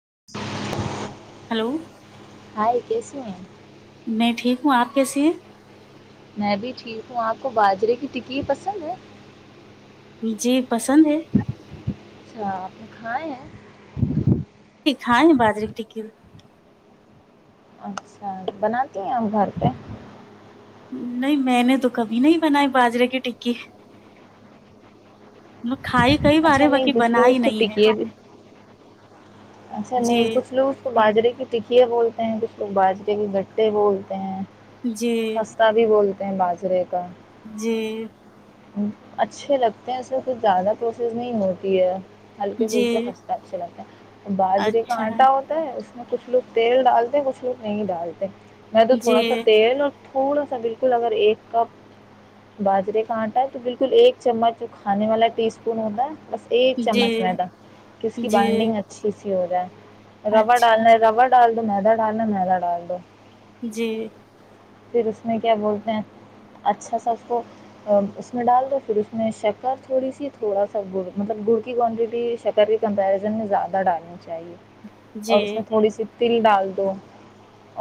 [inaudible] hello hi کیسے ہیں میں ٹھیک ہوں آپ کیسی ہیں میں بھی ٹھیک ہوں آپ کو باجرے کی ٹکی پسند ہے جپ پسند ہے کائے ہے یہ کائ بازری کی ٹک اچھا بناتی ہیں آپ گھر پہ نہیں میں نے تو کبھی نہیں بنائی باجرے کی ٹکی کھائی کئی بار اچھا ہے نہیں باقی کچھ لوگ اس بنائی کو نہیں ہے ٹکے اچھا نہیں جی کچھ لوگ اس کو باجرے کی ٹکیے بولتے ہیں کچھ لوگ باج کےے بھی گٹے بولتے ہیں جی سستا بھی بولتے کے بجرے کاا جی اچھے لگتے ہیں اس میں کچھ زیادہ پروسیس نہیں ہوتی ہے ہلکے پھلکے جی خستا اچھا لگتا ہے باجرے کا اچھا آٹا ہوتا ہے کچھ لوگ تیل ڈالتے کچھ لوگ نہیں ڈالتے میں تو جی تھوڑا سا تیل اور تھوڑا سا بالکل اگر ایک کپ باجرے کا آٹا ہے تو بالکل ایک چمچ جو کھانے والا ٹی اسپون کون ہو ہے بس ایک جی چمچ میں تھا کہ اس کی جی بائنڈنگ اچھی سیی ہوگا ربڑ اچھا ڈالنا ہے ربڑ ڈالڈو میرا ڈالڈو میرا ڈالڈو جی پھر اس میں کیا بولتے ہیں اچھا سا اس کو اس میں ڈال دو پھر اسس میں شکر تھوڑی سی تھوڑا سا مطلب گڑ کی شکل بھی کمپیریزن زیادہ ڈالنا چاہیے اور اس جی میں تھوڑی سی تل ڈال دو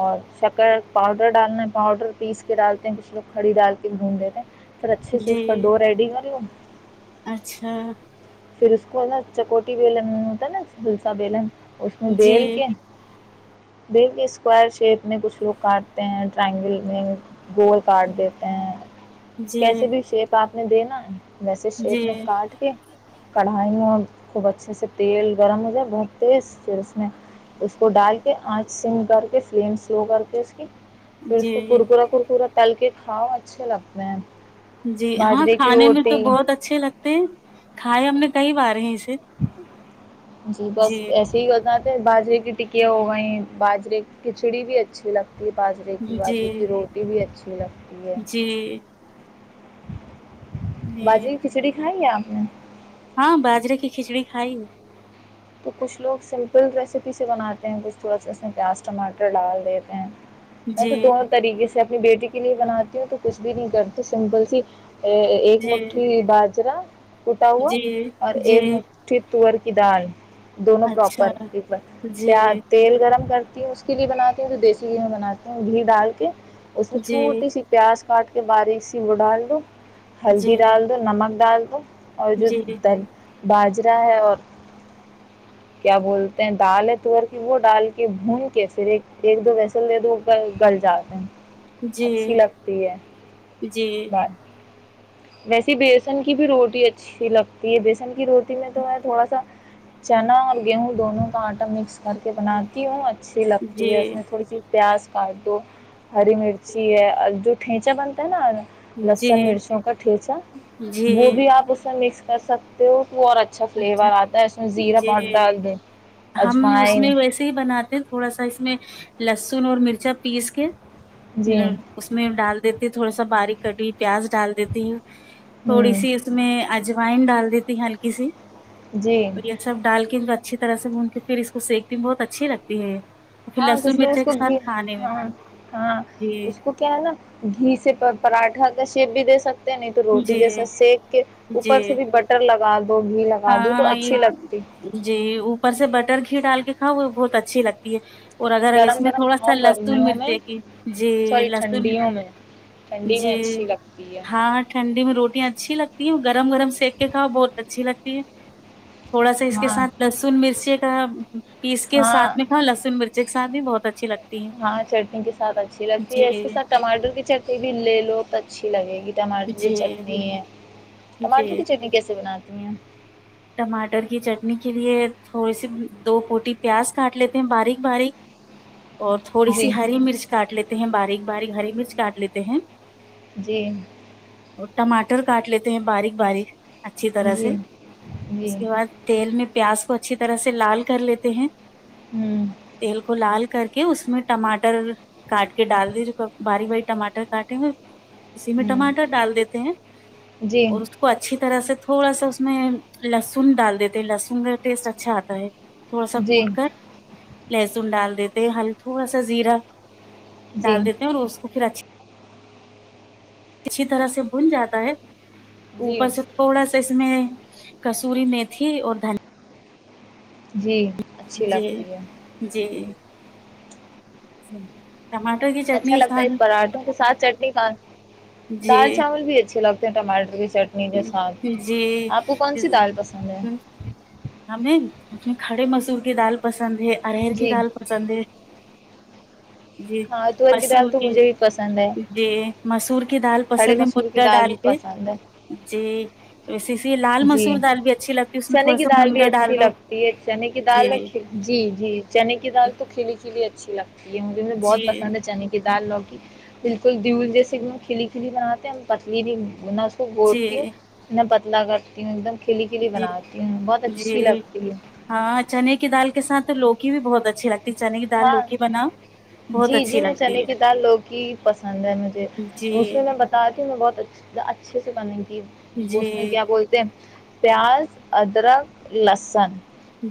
اور شکر پاؤڈر ڈالنا ہے پاؤڈر پیس کے ڈالتے ہیں کچھ لوگ کھڑی ڈال کے بھون دیتے ہیں پ اچھے سے اس جی کا ڈور ریڈی کر لو اچھا پھر اس کو نا چکوٹی بیلن ہوتا ہے نا جلسا بیلن اس میں بیل جی کے بیل کی اسکوائر شیپ میں کچھ لوگ کاٹتے ہیں ٹرائنگل میں گول کاٹ دیتے ہیں جی کیسے بھی شیپ آپ نے دےینا [unintelligible] ویسے شیپ جی میں کاٹ کے کڑھائی خوب اچھے سے تیل گرم ہو جائے بہت تیز پھر اس میں اس کو ڈال کے آنچ سم کر کے فلیم سلو کر کے اس کی پھر اس کو جی کرکا کرکورا تل کے کھاؤ اچھے لگتے ہیں جی ہاں باجرے کی کھانے میں تو روٹی بہت اچھے لگتے ہیں کھائے ہم نے کئی بار ہیں جی جی بس ایسے ہی وتہ باجرے کی ٹکیاں ہوگئی باجرے کھچڑی بھی اچھی لگتی باجرے کی جی باجرے جی کی روٹی بھی اچھی ج [unintelligible] جی بجی کھچڑی کھائیے ہم ا [inaudible] ہاں باجرے کی کھچڑی کھائی تو کچھ لوگ سمپل ریسیپی سے بناتے ہیں کچھ تھوڑا سا اس میں پیاز ٹماٹر ڈال دیتے ہیں میں جی تو دونوں طریقے سے اپنی بیٹی کے لیے بناتی ہوں تو کچھ بھی نہیں کرتی سمپل سی ایک جی مٹھی باجرا کوٹا ہوا جی اور جی ایک مٹھی تور ادال دونوں اچھا پراپر جی تل گرم کر اس کے لیے بناتی ہ تو دیسی ہی ہم بناتی ہیں گھی ڈال کے اس میں جی چھوٹی سی پیاس کاٹ کے باریک سی میں ڈال دوو جی ہلدی دال دو نمک دال اف [unintelligible] اور جی جو جی د باجرہ ہے اور کیا بولتے ہیں دال ہے تور کی وہ ڈال کے بھون کے پھر ایک ایک دو ویسل دے دو گل جاتے ہیں اچھی جی لگتی ہے جی ب ویسے بیسن کی بھی روٹی اچھی لگتی ہے بیسن کی روٹی میں تو ہے تھوڑا سا چنا اور گیہوں دونوں کا آٹا مکس کر کے بناتی ہوں اچھی لگتی ہے اس میں تھوڑی سی پیاز کانٹو ہری مرچی ہے اور جو ٹھینچا بنتا ہے ناا جی لسن مرچوں کا ٹھچا وہ جی بھی آپ اس میں مکس کر سکتے ہو وہ اور اچھا فلیور آتا ہے زیرہ جی پاؤڈر ڈال دیں ہم اس اجوائن میں ویسے ہی بناتے ہیں تھوڑا سا اس میں لسن اور مرچا پیس کے جی اس میں ڈال دیتی تھوڑا سا بارییک کٹ پیاز ڈال دیتی تھوڑی ہوں سی اس میں اج وائن ڈال دی ت ہلکی سی جی تو یہ سب ڈال کے بت اچھی طرح بھون کے پھر اس کو سیکتی بہت اچھی لگتی ہے اور پھر ہاں لہسن کچھ میں مرچا اس کے کو ساتھ گ کھانے میں ہاں ہاں جی اس کو کیا ہے نا گھی سے پراٹھا کا شیپ بھی دے سکتے نہیں تو روٹی جی جیسا سیک کے اوپر جی سے بھی بٹر لگا د ہاں یہ جی اوپر سے بٹر گھی ڈال کے ہاں وہ بہت اچھی لگتی ہے اور اگر اس گرم میں گرم تھوڑا سا کھاؤ لسن گرمیوں میں مرچی کی جی سوری لسن ٹھنڈیوں میں ٹھنڈی میں جی اچھی لگتی ہے ہاں ٹھنڈی میں روٹیاں اچھی لگتی گرم گرم سک کے کاؤ بہت اچھی لگتی ج تھوڑا سا اس کے ہاں سھ لہسن مرچی ا پیس کے سھ ہاں میں تھاا لہسن مرچ بھی بہت اچھی لگتا ہاں چٹنی کے ساتھ اچھی لگتی ہے اس کے جی ساتھ ٹماٹر کی چٹنی بھی لے لو اچھی لگ گی ٹماٹر کی جی چٹنی ہے ٹماٹر جی کی چٹنی کیسے بناتی ہیں ٹماٹر کی چٹنی کے لیے تھوڑی سی دو پوٹی پیاز کاٹ لیتے ہیں باریک باریک اور تھوڑی جی سی ہری مرچ کاٹ لیتے ہیں باریک باریک ہری مرچ کاٹ لیتے ہیں جی اور ٹماٹر کاٹ لیتے ہیں باریک باریک اچھی طرح جی سے جی اس کے باد تےل مے پیاذ کو اچھی طدح لال کر لےتے ہے ہوں بالکل لال کر کے اس میں ٹماٹر کاٹ کے ڈال دی باری باری ٹماٹر کاٹیں گے اسی میں ہوں ٹماٹر ڈال دیتے ہیں جی اور اس کو اچھی طرح سے تھوڑا سا اس میں لہسن ڈال دیتے ہیں لہسن ٹیسٹ اچھا اتا ہے موسا جی کوٹ کر ڈال لیتے ہیں ہم تھوڑا سا زیرہ ڈال جی دیتے ہیں اور اس کو پھر اچھی اچھی طرح سے بھن جاتا ہے جی اوپر سے تھوڑا سا میں کسوری میتھی اور جی اچھی جی لگتی ہے جی ٹماٹر کی چٹنی اچھا اس لگتا ہے ساتھ پراٹوں کے ساتھ چٹنی دال جی چاول بھی اچھے لگ جی اپ کو کون سی دال پسند ہے ہمیں کھڑے مسور کی دال ارہر کی جی ڈال پسند ہی جی ہاں تور کی دال اصول تو کے مجھے بھی پسند ہے مسور کی دال کھڑے پسند مسور کی دال ڈال بھی کے پسند ہے جی ویسے اس لیے لال جی مسور دال بھی اچھی لگتی ہے اس میں چنے تھوڑا کی سا دال بھی منگا ڈال اچھی دو لگتی ہے چنے کی دال میں جی جی جی چنے کی دال تو کھلی کھلی جی محھے بھی چنے کی ڈال پسدن ہی گود جی کے نا پتلی الله کا سکره ہے کی ایکدم جی یہ لگتی ہے ہاں چنے کی دال کے ساتھ توو بھی بہت اچھے لگتے ہاں جی جی اچھی میں لگتی چنے ہے کی دال لوگ کی پسند ہے مجھے اس جی میں میں بتای ہوں بہت اچ اچھے سے بنیں گے کہ اس میں جی کیا بولتے ہیں پیاز ادرک لہسن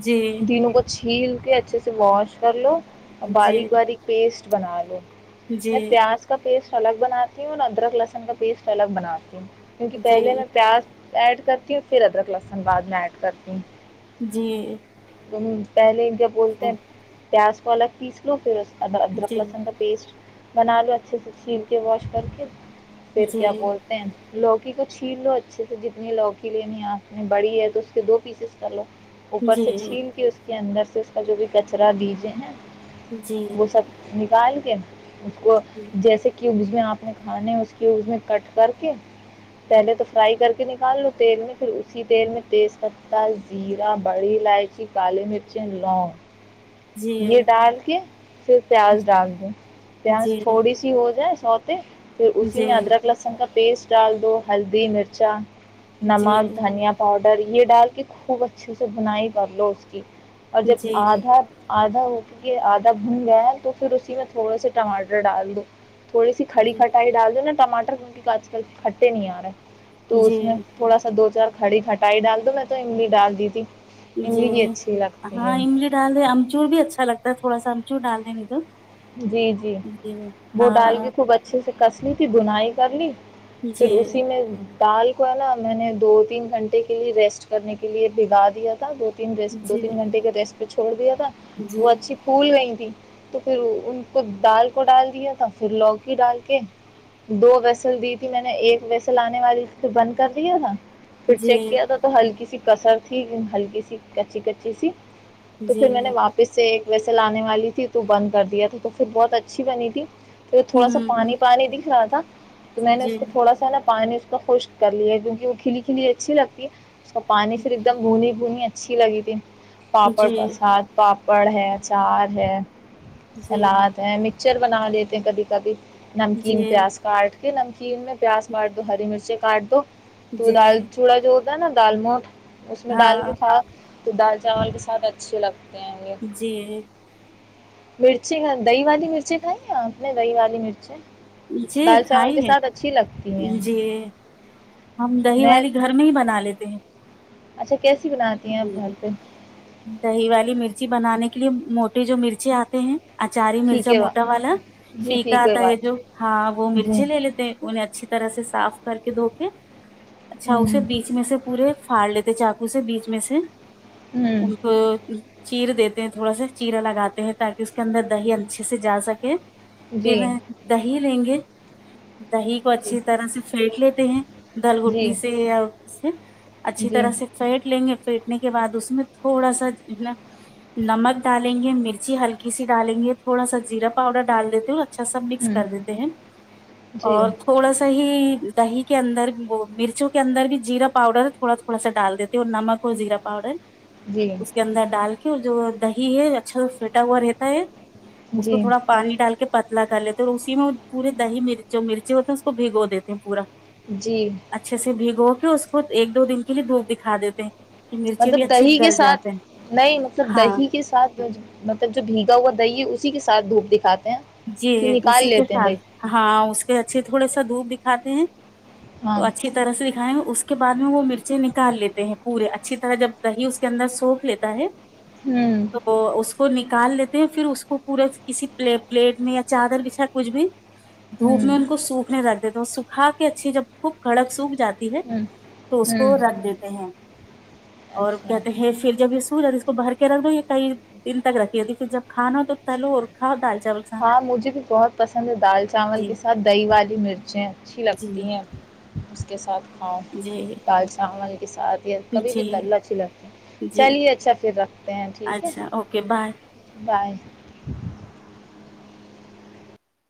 جی تینوںکو بچ کھیل کے اچھے سے واش کرر لو جی باریک باریک پیسٹ بنا لو جی میں جی پیاز کا پیسٹ الگ بناتی ہوں اور ادرک لہسن کا پیسٹ الگ بناتی ہوں کیونکہ پہلے جی میں پیاس ایڈ کرتی اور پھر ادرک لسن بعد میں ایڈ کرتی ہوں جی ہ پہلے جب بولتے ہیں پس پالک پیس لو فھر ار جی جی ادرک لسن پیسٹ بنا لو اچھے سے چھیل کے واش کر کے جی پھر کیا جی بولتے ہیں لوگ کو چھین لو اچھے سے جتنی لوکی لینی آپنی بڑی ہے تو اس کے دو پیسز کر لو جی اوپر جی سے چین کے کے اندر سے اس کا جو بھی کچرا دیجے ہیں وہ سب نکال کیا اس کو جیسے کیوب میں آپ نے کھانے اس کے میں کٹ کر کے پہلے تو فرائی کر کے نکال لو تیل میں پھر اسی تیل میں تیز پہ زیرا بڑی لائ کالی مرچی لو یہ ڈال کے پھر پیاز ڈال دیں پیاز تھوڑی سی ہو جائے سو ت [inaudible] [unintelligible] پھر اسی میں ادرک لہسن کا پیسٹ ڈال دو ہلدی مرچا نمک جی دھنیا پاؤڈر یہ ڈال کے خوب اچھے سے بنائی کر لو اس کی اور جب آدھا آدھ کیکہ آدھا بھن گیا ہے تو پھر اسی میں تھوڑے سے ٹماٹر ڈال دو تھوڑی سی کڑی کھٹائی ڈال دو نا ٹاٹر کیونکہ آج کل کھٹے نہیں آ رہے جی تو اس میں جی تھوڑا سا دو چار کڑی کھٹائی ڈال دو میں تو املی ڈال دی تھی جی املی بھی اچھی لگتی ہاں ہے املی ڈال د امچور بھی اچھا لگتا تھا گا سنچو ڈال دین ا تو جی جی وہ ڈال گ خوب اچھے سے کسلی کی بنائی کر لی جی پھر اسی میں دال کو ہے نا میں نے دو تین گھنٹے کے لیے ریسٹ کرنے کے لیے بھگا دیا دو تین ریٹ دو جی تین گھنٹے کے ریسٹ پھر چھوڑ دیا جی وہ اچھی پھول میں تھی تو پھر ان کو دال کو ڈال دیا تھا پھر لوکی ڈال کے دو وسل دی تھی میں نے ایک ویسل آنے والی پھر بند کر دیا تھا جی فڈ چیک کیا تھا تو ہلکی سی کثر تھی ایک د ہلکی سی کچی کچی سی تو جی پھر میں نے واپس سے ویسے لانے والی تھی تو بند کر دیا تھا تو پھر بہت اچھی بنی تھی تو تھوڑا سا پانی ہوں پانی دکھلاات تھا تو میں نے اس جی کو تھوڑا سا نا پانی خوشک کر لی ہے کیونکہ وہ کھلی کلیے اچھی لگتی ہے اس کو پانی صر ایک دم بھونی بھنی اچھی لگی تھی پاپڑ پرساد پاپ پڑ ہے چار ہے جی جی سلاد ہے م پچر بنا لیتے ہیں کبھی کبھی نمکین جی پیاز کاٹ کے نمکین کھیر میں پیاز پاٹ دو ہری مرچ کارڈک تو دال جی چوڑا جو نا دال موٹ اس میں ڈال کے ہاں ساف تو ڈال چاول کے ساتھ اچھے لگتی جی مرچی دہی والی مرچی کھائی ہیں آپ نے دہی والی مرچیں جی دال چاول کھائی کے ساتھ اچھی لگتی ہیں ہے جی ہم دہی والی گھر میں ہی بنا لیتے ہیں اچھا کیسے جی جی دہی والی مرچ چی بنانے کے لیے موٹے جو مرچے آتے ہیں اچاری مرچا پھیکے وا موٹا والا جی پیکا پھیکے آتا وا ہے جو ہاں وہ جی مرچیں لے لیتے ہیں انہیں اچھی طرح سے صاف کر کے دھوکے اچھا ہوں اسے بیچ میں سے پورے پھڑ لیتے چقو سے بیچ ویسے ہوں ا چییر دیتے ہیں تھوڑا سا چیرا لگاتے ہیں تاکہ اس کے اندر دہی اچھے سے جا سکے پ جی میں دہی لیں گے دہی کو جی اچھی طرح سے پھینک لیتے ت دال جی گٹنی سے یا اس سے اچھی جی طرح سے پیٹ لیں گے پھیٹنے کے بعد اس میں تھوڑا سا نا نمک ڈالیں گے مرچی ہلکی سی ڈالیں گے تھوڑا سا زیرا پاؤڈر ڈال دیتے ہو اچھا سا مکس ہوں کر دیتے ہیں جی اور تھوڑا سا ہی دہی کے اندر وہ مرچوں کے اندر بھی جیرا پاؤڈر تھوڑا تھوڑا سا ڈال دیتی ہو اور نمک کوزیرا پؤڈر جی اس کے اندر ڈال جو دہی ہے اچھا پٹا ہوا رہتا ہے اس کو جی تھوڑا پانی ڈال کے پتلا کر لیتے ہیں اور اسی میں پورے دہی مچ جو مرچ ہوتے ہیں اس کو بھگو دیتے ہیں پورا جی اچھے سے بھیگو کہ اس کو ایک دو دن کے لیے دھوپ دکھا دیتے ہیں کہ مرچے بھی مطلب اچھے دہی کے گل ساتھ جاتے ہیں نہیں مطلب ہاں دہی کے ساتھ مطلب جو بھیگا ہوا دہی اس ساتھوپ دکھاتا جی اسی کے ساتھ ہاں اس کے اچھے تھوڑے سا دھوپ دکھاتے ہیں ہاں تو اچھی طرح سے دکھائے اس اس کے بعد میں وہ مرچیں نکال لیتے ہیں پورے اچھی طرح جب دہی اس کے اندر سوپ لیتا ہے ہوں تو اس کو ن ڈال لیتے ہیں پھر اس کو پورے کسی پلیپ پلیٹ میں یا چادر پچھا کچھ بھی دھوپ ہوں میں ان کو سوکھنے لگ دو سکھا کے اچھیے جب خوب کڑک سوکھ جاتتی ہے ہوں تو اس ہوں کو رکھ دیتے ہیں اور اچھا کہتے ہیں پھر جب یہ سج بھر کے رکھ دو یہ کئی دن تک رکھی تھی پھر جب کھانا ہو تو تلو اورکھاؤ دال چال ہاں مجھے بھی بہت پسند ہے دال چاول جی کے ساتھ دہی والی مرچیں اچھی جی لگتی ہیں اس کے ساتھ ہاں جی دال چاول کے ساتھ کبھی بھی جی تل اچھی لگتی ہے جی چلیے اچھا پھر رکھتے ہیں ٹھیک ہے اچھا اوکے بائے بائے ج